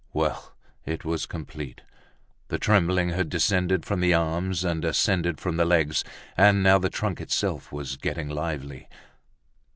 Well! it was complete. The trembling had descended from the arms and ascended from the legs, and now the trunk itself was getting lively!